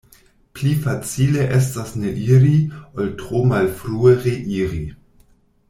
Pli facile estas ne iri, ol tro malfrue reiri.